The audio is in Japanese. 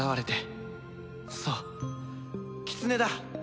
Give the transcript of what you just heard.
そうキツネだ！